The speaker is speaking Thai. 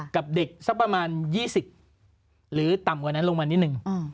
กับเด็กสักประมาณ๒๐หรือต่ำกว่านั้นลงมานิดนึง